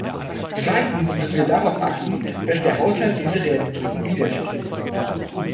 Zweitens müssen wir darauf achten, dass der Haushalt diese Realitäten widerspiegelt.